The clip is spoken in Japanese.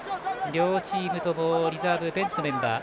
両チームともリザーブベンチメンバーが。